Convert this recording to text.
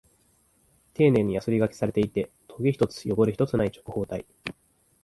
丁寧にヤスリ掛けされていて、トゲ一つ、汚れ一つない直方体。